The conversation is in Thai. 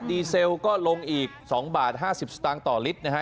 เซลก็ลงอีก๒บาท๕๐สตางค์ต่อลิตรนะฮะ